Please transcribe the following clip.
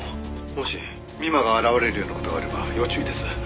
「もし美馬が現れるような事があれば要注意です」